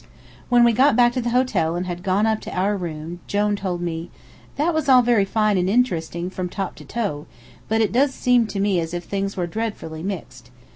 When we got back to the hotel and had gone up to our room, Jone said to me: "That was all very fine and interesting from top to toe, but it does seem to me as if things were dreadfully mixed.